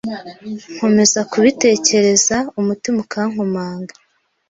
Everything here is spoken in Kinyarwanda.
nkomeza kubitekereza umutima ukankomanga